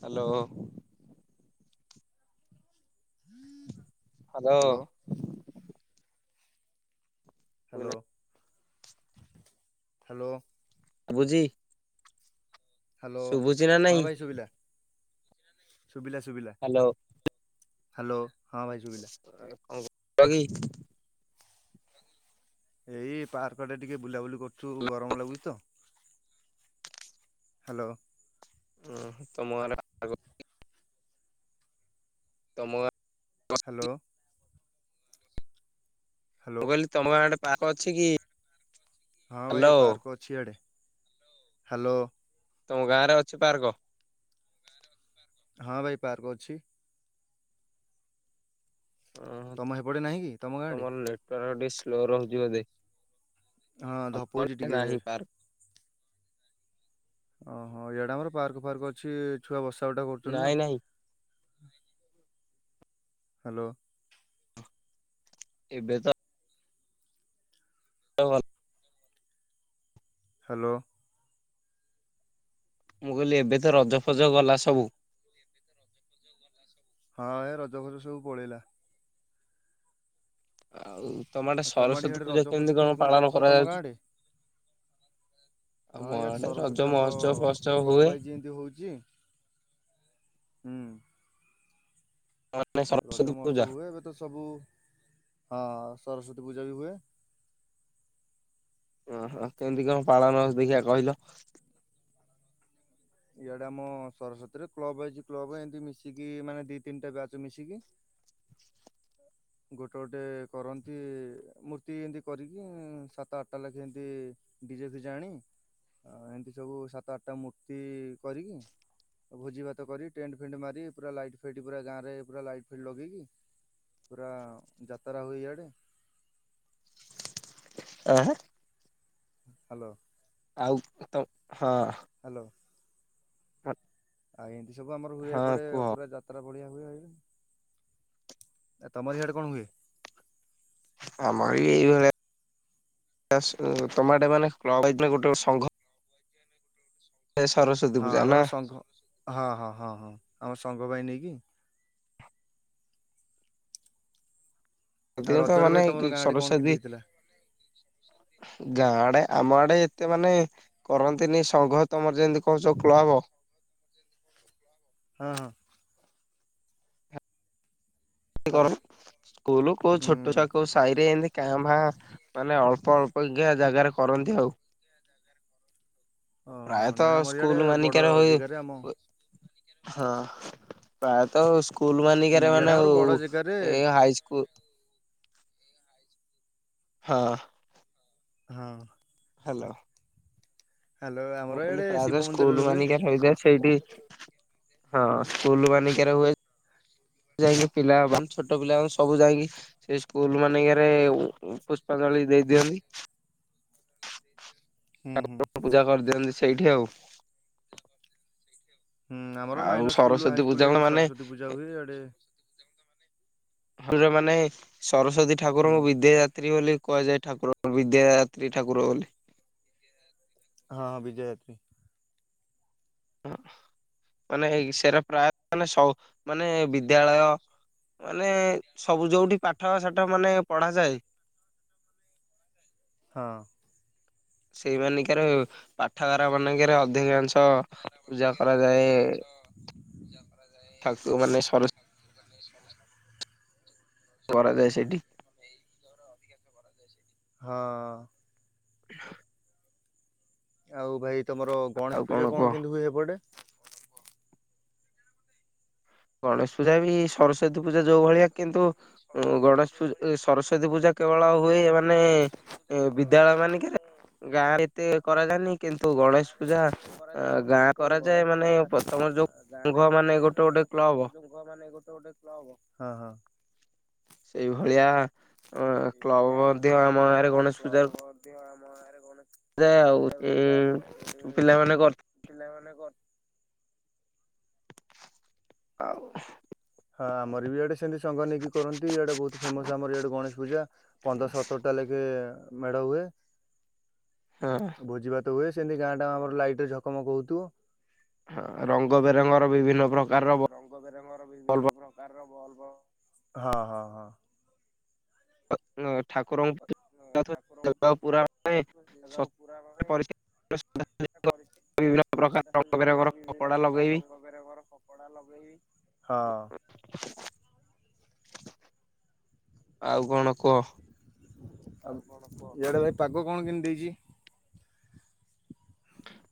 Hello. Hello. Hello hello, hello. ବୁଝି hello, ନା ହଁ ନାଇଁ ଭାଇ ଶୁଭିଲା, ଶୁବିଲା ଶୁବିଲା। ହାଲୋ। ହାଲୋ- ହଁ ଭାଇ ଶୁବିଲା। [unintelligible] ଏଇ ପାର୍କ ଆଡେ ଟିକେ ବୁଲାବୁଲି କରୁଚୁ ଗରମ ଲାଗୁଚି ତ। ହାଲୋ। ହୁଁ- [unintelligible] ତମ ଗାଁ ହାଲୋ। ହ୍ୟାଲୋ ମୁଁ କହିଲି ତମ ଗାଁ ଆଡେ ପାର୍କ ଅଛି କି? ହଁ ଭାଇ ହ୍ୟାଲୋ ପାର୍କ ଅଛି ଇଆଡେ- ହାଲୋ। ତମ ଗାଁ ରେ ଅଛି ପାର୍କ? ହଁ ଭାଇ ପାର୍କ ଅଛି। ଓ ହ ତମ ହେପଟେ ନାହିଁ କି ତମ ଗାଁ ଆଡେ ତମର ନେଟୱାର୍କ ଟିକେ ସ୍ଲୋ ରହୁଚି ବୋଧେ? ହଁ ଆମ ଧପଉଚି ଆଡେ ଟିକେ ନାହିଁ ପାର୍କ। ଓହୋ ଇଆଡେ ଆମର ପାର୍କ ଫାର୍କ ଅଛି ଛୁଆ ବସା ଉଠା କରୁଚନ୍ତି ନା। ନାଇଁ ନାଇଁ ହାଲୋ। ଏବେ ତ [inaudible] ହାଲୋ। ମୁଁ କହିଲି ଏବେ ତ ରଜ ଫଜ ଗଲା ସବୁ। ହଁ ଏ ରଜ ଫଜ ସବୁ ପଳେଇଲା। ଆଉ ତମ ଆଉ ତମ ଆଡେ ସରସ୍ଵତୀ ପୂଜା ରଜ ଫଜ କେମିତି କଣ ପାଳନ କରୁଥିଲ ତମ ଗାଁ କରାଯାଉଛି? ଆଡେ? ଆମ ହଁ ଇଆଡେ ଆଡେ ରଜ ସରସତୀ ଆମର ମହୋତ୍ସବ ଫହୋତ୍ସବ ହୁଏ କ୍ଲବ ଆଇ ଯିନ୍ତି ହଉଚି ହୁଁ। ମାନେ ସରସ୍ଵତୀ ରଜ ପୂଜା। ମହୋତ୍ସବ ହୁଏ ଏବେ ତ ସବୁ ହଁ ସରସ୍ୱତୀ ପୂଜା ବି ହୁଏ। ଓହୋ କେମିତି କଣ ପାଳନ ଦେଖିବା କହିଲ? ଇଆଡେ ଆମ ସରସ୍ଵତୀରେ କ୍ଲବ୍ ଅଛି କ୍ଲବ୍ ଏମିତି ମିଶିକି ମାନେ ଦି ତିନିଟା ବ୍ୟାଚ୍ ମିଶିକି ଗୋଟେ ଗୋଟେ କରନ୍ତି ମୂର୍ତ୍ତି ଏମିତି କରିକି ସାତ ଆଠଟା ଲେଖେ ଏମିତି ଡିଜେ ଫିଜେ ଆଣି ଆଉ ଏମିତି ସବୁ ସାତ ଆଠଟା ମୂର୍ତ୍ତି କରିକି ଭୋଜି ଭାତ କରି ଟେଣ୍ଟ୍ ଫେଣ୍ଟ୍ ମାରି ପୁରା ଲାଇଟ୍ ଫାଇଟ୍ ପୁରା ଗାଁରେ ପୁରା ଲାଇଟ୍ ଫାଇଟ୍ ଲଗେଇକି ପୁରା ଯାତାରା ହୁଏ ଇଆଡେ। ଆଁ। ହାଲୋ। ଆଉ ତ- ହଁ। ହାଲୋ। [inaudible] ଆଉ ଏମିତି ସବୁ ଆମର ହୁଏ ହଁ ଏପଟେ କୁହ। ପୁରା ଯାତ୍ ଯାତ୍ରା ବଢିଆ ହୁଏ ଆ- ତମର ଇଆଡେ କଣ ହୁଏ? ଆମର ବି ଏଇଭଳିଆ [unintelligible] ମାନେ ଗୋଟେ ସଂଘ ସେ ସରସୁ ହଁ ଆମର ସଂଘ ହଁ- ହଁ -ହଁ- ହଁ ଆମ ସଂଘ ଭାଇ ନେଇକି ଆଉ ଅଧିକାଂଶ ରଜରେ ମାନେ ଭାଇ ତମର ଗାଁ ଆଡେ କଣ କେମିତି ଇ-ସରସ୍ଵତୀ ହେଇଥିଲା? ଗାଁ ଆଡେ ଆମ ଆଡେ ଏତେ ମାନେ କରନ୍ତିନି ସଂଘ ତମର ଯେମିତି କହୁଚ କ୍ଲବ ହଁ -ହଁ। ହା କର ସ୍କୁଲ କୋଉ ଛୋଟ ହୁଁ ଛୁଆ କୋଉ ସାହି ରେ ଏମତି କାଁ ଭା ମାନେ ଅଳ୍ପ ଅଳ୍ପା ଜାଗାରେ କରନ୍ତି ଆଉ। ଓହୋ ପ୍ରାୟତଃ ନାଇଁ ଆମର ଇଆଡେ ସ୍କୁଲ ବଡ ମାନିକାର ହଏ ଜାଗାରେ ଆମ ହୁ ହଁ ପ୍ରାୟତ ସ୍କୁଲ ହୁଁ ମାନିକରେ ଇଆଡେ ମାନେ ଆମର ବଡ ଜାଗାରେ ଏ ହାଇସ୍କୁଲ ହଁ। ହଁ। ହ୍ୟାଲୋ। ହ୍ୟାଲୋ ଆମର ମୁଁ କହିଲି ଇଆଡେ ଶିବ ପ୍ରାୟତଃ ମନ୍ଦିରରେ ସ୍କୁଲ ହୁଏ। ମାନିକି ହୋଇଯାଏ ସେଇଠି। ହଁ ସ୍କୁଲ ମାନିକାରେ ହୁଏ। ଯାଇକି ପିଲାବ ଛୋଟ ପିଲାବ ସବୁ ଯାଇକି ସେ ସ୍କୁଲ ମାନେଙ୍କରେ ପୁଷ୍ପାଞ୍ଜଳି ଦେଇ ଦିଅନ୍ତି। ହୁଁ ହୁଁ [inaudible] ପୂଜା କରିଦିଅନ୍ତି ସେଇଠି ଆଉ। ହୁଁ ଆମର ଆଉ ମାଇନର ସ୍କୁଲ ସରସ୍ଵତୀ ହାଇସ୍କୁଲ ପୂଜା ରେ ବି ମାନେ ସରସ୍ୱତୀ ପୂଜା ହୁଏ ଆଡେ କୁର ମାନେ ସରସ୍ଵତୀ ହୁଁ ଠାକୁରଙ୍କୁ ବିଦ୍ୟାଦାତ୍ରୀ ବୋଲି କୁହାଯାଏ ଠାକୁର ବିଦାଦାତ୍ରୀ ଠାକୁର ବୋଲି। ହଁଁ ବିଦ୍ୟାଦାତ୍ରୀ। ମାନେ ସେଟ ପ୍ରାୟ ମାନେ ସ ମାନେ ବିଦ୍ୟାଳୟ ମାନେ ସବୁ ଯୋଉଠି ପାଠ ସାଠ ମାନେ ପଢାଯାଏ ହଁ। ସେଇମାନଙ୍କ ର ପା ଠାଗାର ମାନଙ୍କରେ ଅଧିକାଂଶ ପୂଜା କରାଯାଏ ପୂଜା କରାଯାଏ। ଠାକୁର ମାନେ ସରସ୍ [unintelligible] କରାଯାଏ ସେଠି। ହଁ। [unintelligible] ଆଉ ଭାଇ ତମର ଆଉ ଗଣେଶ ପୂଜା କଣ କୁହ କେମିତି ହୁଏ ହେପଟେ। ଗଣେଶ ପୂଜା ବି ସରସ୍ଵତୀ ପୂଜା ଯଉ ଭଳିଆ କିନ୍ତୁ ଗଣେଶ ପୂଜା ସରସ୍ଵତୀ ପୂଜା କେବଳ ହୁଏ ମାନେ ଏ ବିଦ୍ୟାଳୟ ମାନଙ୍କରେ ଗାଁ ଏତେ କରାଯାଏନି କିନ୍ତୁ ଗଣେଶ ପୂଜା ଗାଁ କରାଯାଏ ମାନେ ତମର ଯୋଉ ଘ ମାନେ ଗୋଟେ ଗୋଟେ କ୍ଲବ୍ ତମର ଯୋଉ ଘ ମାନେ ଗୋଟେ ଗୋଟେ କ୍ଲବ ହଁ ହଁ ସେଇଭଳିଆ କ୍ଲବ ମଧ୍ୟ ଆମ ଗାଁରେ ଗଣେଶ ପୂଜାର ଆମ ଗାଁ ରେ ଗଣେଶ ଯା ଆଉ ଏଇ ପିଲାମାନେ କରି ପିଲେମାନେ କର ଆଉ। ହଁ ଆମର ବି ଇଆଡେ ସେମିତି ଶଙ୍ଗ ନେଇକି କରନ୍ତି ଇଆଡେ ବହୁତ ଫେମସ ଆମର ଇଆଡେ ଗଣେଶ ପୂଜା। ପନ୍ଦର ସତର ଟା ଲେଖେ ମେଢ ହୁଏ। ହଁ। ଭୋଜିଭାତ ହୁଏ ସେମିତି ଗାଁ ଟା ଆମର ଲାଇଟ ରେ ଝକମକ ହେଉଥିବ। ହ ରଙ୍ଗବେରଙ୍ଗ ର ବିଭିନ୍ନ ପ୍ରକାରର ବ ରଙ୍ଗବେରଙ୍ଗ ର ବିଭିନ୍ନ ପ୍ରକାରର ବୋଲ୍ଭ ହଁ ହଁ ହଁ। ଠାକୁରଙ୍କୁ କି ଅଁ ଠାକୁରଙ୍କୁ ଯାପ ଜାଗା ସତ ପୁରା ମାନେ ପ ପରିଷ୍କାର ଏ ପରିସ୍ଥିତି ବିଭିନ୍ନ ପ୍ରେସ୍ ପ୍ରକାର ରଙ୍ଗ ସୁଧାସୁଧିଙ୍କ ବେରଙ୍ଗର ବିଭିନ୍ନ କପଡା ପ୍ରକାର ଲଗେଇବି ରଙ୍ଗ ବେରଙ୍ଗର କପଡା ଲଗେଇ [unintelligible] ଆଉ କଣ କୁହ? ଇଆଡେ ଭାଇ ପାଗ କଣ କେମତି ଦେଇଛି?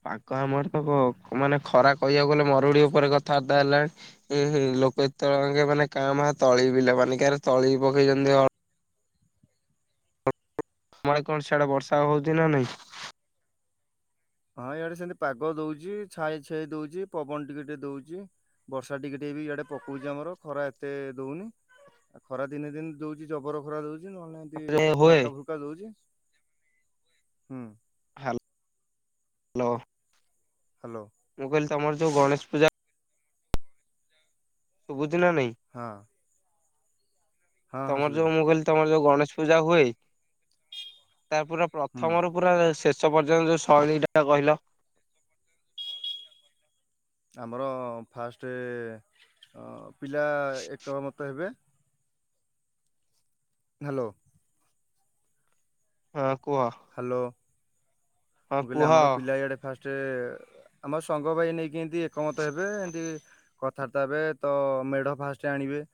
ପାଗ ଆମର ତ କ ମାନେ ଖରା କହିବାକୁ ଗଲେ ମରୁଡି ଉପରେ କଥାବାର୍ତ୍ତା ହେଲାଣି। ଏହେ ଲୋକେ ଏତେବେଳକେ ମାନେ କାମ ହାତ୍ ତଳି ବିଲ ମାନଙ୍କରେ ତଳି ପକେଇଛନ୍ତି ଅ [unintelligible] ତମ ଆଡେ କଣ ସିଆଡେ ବର୍ଷା ହଉଛି ନା ନାଇଁ? ହଁ ଏଆଡେ ସେମତି ପାଗ ଦଉଛି ଛାଇ ଛାଇ ଦଉଛି ପବନ ଟିକେ ଟିକେ ଦଉଛି। ବର୍ଷା ଟିକେ ଟିକେ ବି ଏଆଡେ ପକଉଛି ଆମର ଖରା ଏତେ ଦଉନି। ଆଉ ଖରା ଦିନେ ଦିନେ ଦଉଛି ଜବର ଖରା ଦଉଛି। ଯେ ନହେଲେ ନାହିଁ ଏମତି ହୁଏ ହାଲକା ଫୁଲକା ଦଉଛି। ହୁଁ। ହାଲ୍ ହ୍ୟାଲୋ। ହ୍ୟାଲୋ। ମୁଁ କହିଲି ତମର ଯୋଉ ଗଣେଶ ପୂଜା ଶୁବୁଝି ନା ନାଇଁ? ହଁ। ହଁ ହଁ ତମର ଶୁଭିଲା ଯୋଉ ମୁଁ କହିଲି ତମର ଯୋଉ ଗଣେଶ ପୂଜା ହୁଏ ତାପରେ ହୁଁ ପ୍ରଥମରୁ ପୁରା ଶେଷ ପର୍ଯ୍ୟନ୍ତ ଯୋଉ ଶୈଳୀ ଟା କହିଲ? ଆମର ଫାଷ୍ଟେ ଅ ପିଲା ଏକମତ ହେବେ। ହ୍ୟାଲୋ। ହଁ କୁହ। ହ୍ୟାଲୋ ହଁ ମୁଁ କହିଲି କୁହ ଆମର ପିଲା ଇଆଡ଼େ ଫାଷ୍ଟେ ଆମ ସଂଘ ଭାଇ ଏ ନେଇକି ଏମତି ଏକମତ ହେବେ ଏମତି କଥାବାର୍ତ୍ତା ହେବେ ତ ମେଢ ଫାଷ୍ଟ ଆଣିବେ।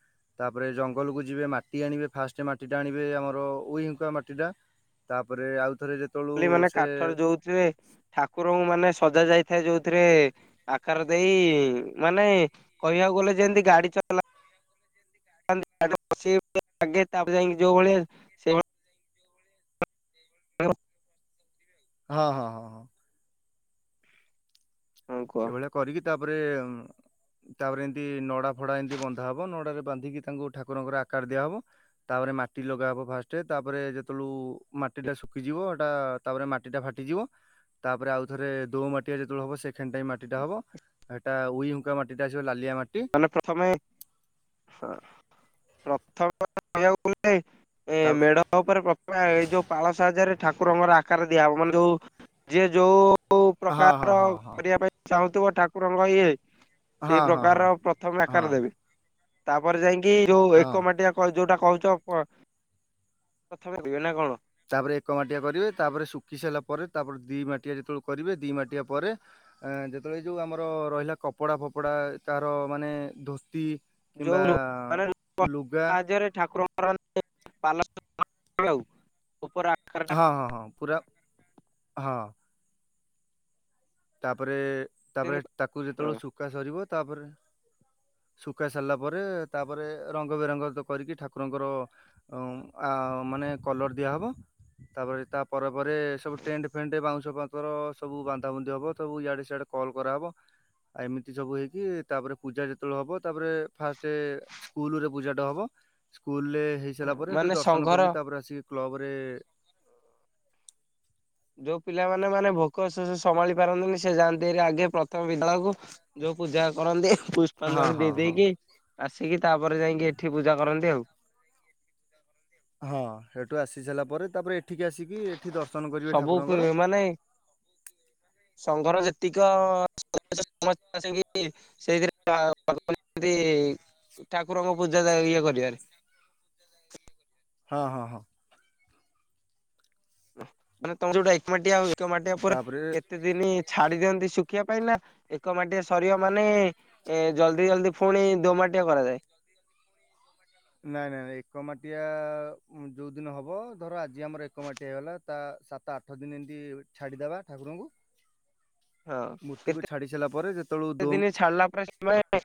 ତା ପରେ ଜଙ୍ଗଲକୁ ଯିବେ ମାଟି ଆଣିବେ ଫାଷ୍ଟ ମାଟିଟା ଆଣିବେ ଆମର ଉଇହୁଙ୍କା ମାଟିଟା। ପରେ ଆଉଥରେ ଯେତେବେଳକୁ ସେ ତୁ ଭାଇ ଠାକୁରଙ୍କୁ ମାନେ ସଜା ଯାଇଥାଏ ଯୋଉଥିରେ ଆକାର ଦେଇ ମାନେ କହିବାକୁ ଗଲେ ଯେମତି ଗାଡି ଚଲା [unintelligible] ବସି [unintelligible] ତାପରେ ଯାଇ ଯୋଉ ଭଳିଆ ସେଇଭଳି [unintelligible] ହଁ ହଁ ହଁଁ। ହଁ କୁହ ସେ ଭଳିଆ କରିକି ତାପରେ ତାପରେ ଏମତି ନଡା ଫଡା ଏମତି ବନ୍ଧା ହବ ନଡାରେ ବାନ୍ଧିକି ତାଙ୍କୁ ଠାକୁରଙ୍କର ଆକାର ଦିଆହବ ତାପରେ ମାଟି ଲଗାହବ ଫାଷ୍ଟେ ତାପରେ ଯେତେବେଳୁ ମାଟି ଟା ଶୁଖିଯିବ ଏଇଟା ତାପରେ ମାଟି ଟା ଫାଟିଯିବ ତାପରେ ଆଉ ଥରେ ଦୋ ମାଟିଆ ଯେତେବେଳକୁ ହବ ସେ ଛେଣ୍ଟାଇ ମାଟିଟା ହବ ସେଟା ଉଇ ହୁଙ୍କା ମାଟିଟା ଆସିବ ଲାଲିଆ ମାଟି ମାନେ ପ୍ରଥମେ ସଳା ପ୍ରଥ [unintelligible] କହିବାକୁ ଗଲେ ଏ ତା ମେଢ ତା ଉପରେ ପ୍ରପ ଏ ଯୋଉ ପାଳ ସାହାଯ୍ୟରେ ଠାକୁରଙ୍କର ଆକାର ଦିଆହବ ମାନେ ଯୋଉ ଯିଏ ଯୋଉ ଯୋଉ ହଁ ହଁ ପ୍ରକାର ହଁ ହଁ କରିବା ପାଇଁ ଚାହୁଁଥିବ ଠାକୁରଙ୍କ ଇଏ ହଁ ସେଇ ହଁ ପ୍ରକାରର ହଁ। ପ୍ରଥମେ ହଁ ଆକାର ଦେବେ ତାପରେ ଯାଇକି ଯୋଉ ହଁ। ଏକ ମାଟିଆ ଯୋଉଟା କହିଛ [inaudible] ପ୍ରଥମେ ଯିବେ ନା କଣ? ତାପରେ ଏକ ମାଠିଆ କରିବେ। ତାପରେ ଶୁଖି ସାରିଲା ପରେ ତାପରେ ଦି ମାଠିଆ ଯେତେବେଳେ କରିବେ। ଦି ମାଠିଆ ପରେ। ଏ ଯେତେବେଳେ ଏ ଯୋଉ ଆମର ରହିଲା କପଡ଼ା ଫପଡ଼ା ତାହାର ମାନେ ଧୋତି। କିମ୍ବା ଲୁଗା। ହଜାରେ ଠାକୁରଙ୍କ। [unintelligible] ହଁ ହଁ ହଁ ପୁରା ହଁ। ତାପରେ ତାପରେ ତାକୁ ଯେତେବେଳ ଶୁଖା ସରିବ। ତାପରେ ଶୁଖା ସରିଲା ପରେ ତାପରେ ରଙ୍ଗ ବେରଙ୍ଗ କରିକି ଠାକୁରଙ୍କର ଓଁ ଆ ମାନେ କଲର ଦିଆହବ। ତାପରେ ତା ପରେ ପରେ ସବୁ ଟେଣ୍ଟ ଫେଣ୍ଟ ବାଉଁଶ ଫଉଁଶର ସବୁ ବାନ୍ଧାବନ୍ଧି ଦବ ସବୁ ଇଆଡ଼େ ସିଆଡ଼େ କଲ୍ କରାହବ। ଆ ଏମିତି ସବୁ ହେଇକି ତାପରେ ପୂଜା ଯେତେବେଳେ ହବ ତାପରେ ଫାଷ୍ଟେ ସ୍କୁଲରେ ପୂଜା ଟା ହବ। ସ୍କୁଲ ରେ ହେଇସାରିଲା ପରେ। ସେଠୁ ମାନେ ଦର୍ଶନ ସଂଘର କରିକି ତାପରେ ଆସିକି କ୍ଲବ ରେ ଯୋଉ ପିଲାମାନେ ମାନେ ଭୋକ ଶୋଷ ସମ୍ଭାଳି ପାରନ୍ତିନି ସେ ଯାଆନ୍ତି ହାରି ଆଗେ ପ୍ରଥମ ବିଦ୍ୟାଳୟକୁ। ଯୋଉ ପୂଜା କରନ୍ତି। ହଁ ପୁଷ୍ପାଞ୍ଜଳି ହଁ ଦେଇ ହଁ। ଦେଇେଇକି ଆସିକି ତାପରେ ଯାଇକି ଏଠି ପୂଜା କରନ୍ତି ଆଉ। ହଁ ସେଠୁ ଆସି ସାରିଲା ପରେ ତାପରେ ଏଠିକି ଆସିକି ଏଠି ଦର୍ଶନ କରିବେ ସବୁ ଠାକୁରଙ୍କର। ମାନେ ସଂଘର ଯେତିକ [unintelligible] ସେଇଥିରେ ବା [unintelligible] ଠାକୁରଙ୍କ ପୂଜା ଇଏ କରିବନି। ହଁ ହଁ ହଁ। ମାନେ ତମେ ଯୋଉଟା ଏକମାଟିଆ ଆଉ ଏକମାଟିଆ ପରେ ତାପରେ କେତେ ଦିନ ଛାଡ଼ି ଦିଅନ୍ତି ଶୁଖିବା ପାଇଁ ନା? ଏକ ମାଟିଆ ସରିବ ମାନେ ଏ ଜଲ୍ଦି ଜଲ୍ଦି ପୁଣି ଦୋମାଟିଆ କରାଯାଏ। ନାଇଁ ନାଇଁଁ ଏକ ମାଟିଆ ଯୋଉ ଦିନ ହବ। ଧର ଆଜି ଆମର ଏକ ମାଟିଆ ହେଇଗଲା। ତା ସାତ ଆଠ ଦିନ ଏମିତି ଛାଡ଼ିଦେବା ଠାକୁରଙ୍କୁ। ହଁ ମୂର୍ତ୍ତିକୁୁ ଛାଡ଼ି ସାରିଲା ପରେ ଯେତେବେଳକୁ ଡୋମ ଛାଡ଼ିଲା ପରେ ଆମେ [inaudible]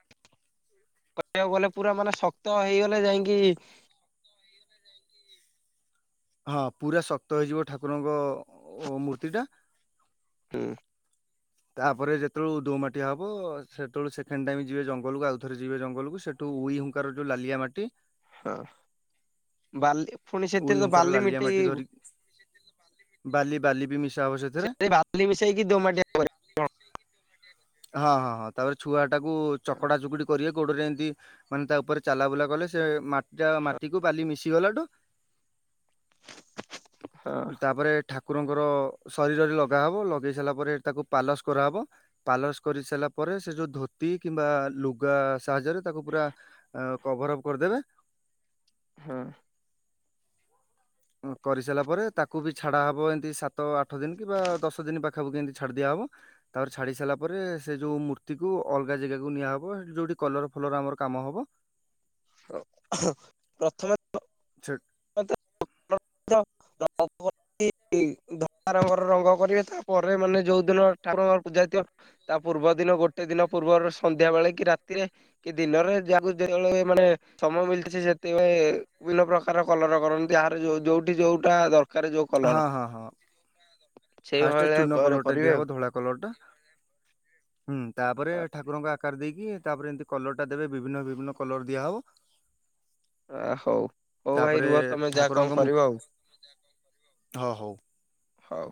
କହିବାକୁ ଗଲେ ପୁରା ମାନେ ଶକ୍ତ ହେଇଗଲେ ଯାଇଁକି ହଁ ହଁ ପୁରା ଶକ୍ତ ହେଇଯିବ ଠାକୁରଙ୍କ ମୂର୍ତ୍ତିଟା। [inaudible] ହୁଁ। ତାପରେ ଯେତେବେଳେ ଦୋମାଟିଆ ହବ। ସେତେବେଳକୁ ସେକେଣ୍ଡ ଟାଇମ ଯିବେ ଜଙ୍ଗଲକୁ। ଆଉଥରେ ଯିବେ ଜଙ୍ଗଲକୁ। ସେ ଟୁ ଉଇ ହୁଙ୍କାର ଯୋଉ ଲାଲିଆ ମାଟି। ହଁ। ବାଲି ପୁଣି ଉଇ ସେଥିରେ ତ ହୁଙ୍କାର ବାଲି ଲାଲିଆ ମାଟି ମିଟେଇବୁ। ଧରିକି ବାଲି ବାଲି ବି ମିଶା ହବ ସେ ସେଥିରେ ବାଲି ମିଶେଇକି ଦୋମାଟିଆ କରେ। ହଁ ହଁ ହଁ ତାପରେ ଛୁଆଟାକୁ ଚକଡ଼ା ଚକଡ଼ି କରିବେ ଗୋଡ଼ରେ ଏମିତି ମାନେ ତା ଉପରେ ଚାଲା ବୁଲା କଲେ ସେ ମାଟି ଏଟା ମାଟିକୁ ବାଲି ମିଶି ଗଲାଠୁ ହଁ [inaudible] ତାପରେ ଠାକୁରଙ୍କର ଶରୀରରେ ଲଗାହବ। ଲଗେଇ ସାରିଲା ପରେ ତାକୁ ପାଲସ କରାହବ। ପାଲସ କରି ସାରିଲା ପରେ। ସେ ଯୋଉ ଧୋତି କିମ୍ବା ଲୁଗା ସାହାଯ୍ୟରେ ତାକୁ ପୁରା କଭରଅପ୍ କରିଦେବେ। ହଁ। କରିସାରିଲା ପରେ। ତାକୁ ବି ଛାଡ଼ାହବ ଏମିତି ସାତ ଆଠ ଦିନ କିମ୍ବା ଦଶ ଦିନ ପାଖାପାଖି ଏମିତି ଛାଡ଼ି ଦିଆହବ। ତାପରେ ଛାଡ଼ି ସାରିଲା ପରେ। ସେ ଯୋଉ ମୂର୍ତ୍ତି କୁ ଅଲଗା ଜାଗାକୁ ନିଆହବ ହେଟି ଯୋଉଠି କଲର ଫଲର ଆମର କାମ ହବ। [unintelligible] ପ୍ରଥମେ ଛଟ୍ [unintelligible] [unintelligible] ଧଳା ରଙ୍ଗର ରଙ୍ଗ କରିବେ ତାପରେ ମାନେ ଯୋଉଦିନ ଠାକୁରଙ୍କର ପୂଜା ହେଇଥିବ ତା ପୂର୍ବ ଦିନ ଗୋଟେ ଦିନ ପୂର୍ବରୁ ସନ୍ଧ୍ୟା ବେଳେ କି ରାତିରେ କି ଦିନରେ ଯାହାକୁ ଯେତେବେଳେ ମାନେ ସମୟ ମିଳଛି ସେ ସେତେବେଳେ ବିଭିନ୍ନ ପ୍ରକାର କଲର କରନ୍ତି ଯାହାର ଯୋଉଠି ଯୋଉଟା ଦରକାର ଯୋଉ ହଁ କଲର ହଁ ହଁ ଫାଷ୍ଟ ଚୂନ ସେଇଭଳିଆ କଲରଟା କରିବେ ଦିଆହେବ ଧଳା କଲରଟା। [inaudible] ହୁଁ ତାପରେ ଆଉ। ଠାକୁରଙ୍କ ଆକାର ଦେଇକି ତାପରେ ଏମିତି କଲର ଟା ଦେବେ ବିଭିନ୍ନ ବିଭିନ୍ନ କଲର ଦିଆହବ। ଆ ହଉ ହଉ ଭାଇ ତାପରେ ରୁହ ତମେ ଯା କଣ କରିବ ଆଉ? ହ ହଉ। ହଉ।